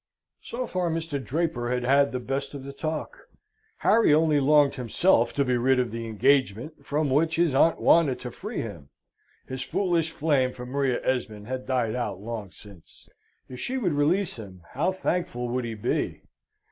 So far Mr. Draper had had the best of the talk. Harry only longed himself to be rid of the engagement from which his aunt wanted to free him. His foolish flame for Maria Esmond had died out long since. If she would release him, how thankful would he be!